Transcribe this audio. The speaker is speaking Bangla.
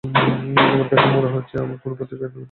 আমার কাছে মনে হচ্ছে, আমি কোনো পত্রিকায় ইন্টারভ্যু দিচ্ছি।